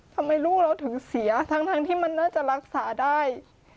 ทำไมลูกเราถึงเสียทั้งที่มันน่าจะรักษาได้